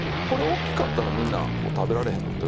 これ大きかったらみんなこう食べられへん